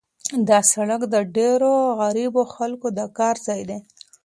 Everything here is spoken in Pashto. دا سړک د ډېرو غریبو خلکو د کار ځای دی.